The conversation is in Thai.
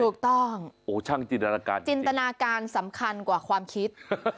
ถูกต้องโอ้ช่างจินตนาการจินตนาการสำคัญกว่าความคิด